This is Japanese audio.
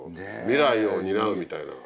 未来を担うみたいな。